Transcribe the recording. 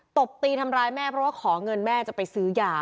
ตบตีทำร้ายแม่เพราะว่าขอเงินแม่จะไปซื้อยา